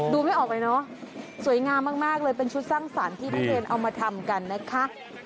ไม่ออกไปเนอะสวยงามมากเลยเป็นชุดสร้างสรรค์ที่พี่เทนเอามาทำกันนะคะ